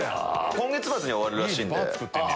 今月末に終わるらしい。